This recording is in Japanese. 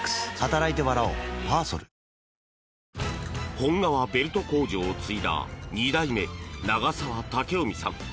本革ベルト工場を継いだ２代目長澤猛臣さん。